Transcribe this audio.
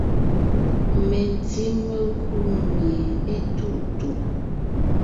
Mentí mekú mie étuʼtuʼ.